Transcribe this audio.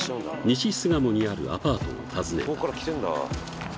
西巣鴨にあるアパートを訪ねた